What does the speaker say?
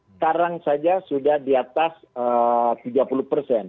sekarang saja sudah di atas tiga puluh persen